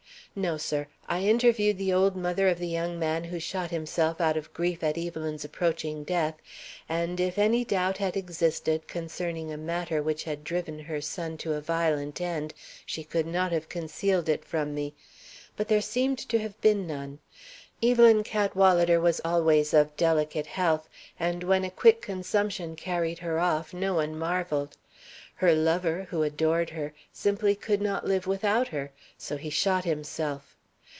"No, sir. I interviewed the old mother of the young man who shot himself out of grief at Evelyn's approaching death, and if any doubt had existed concerning a matter which had driven her son to a violent end, she could not have concealed it from me. But there seemed to have been none. Evelyn Cadwalader was always of delicate health, and when a quick consumption carried her off no one marvelled. Her lover, who adored her, simply could not live without her, so he shot himself.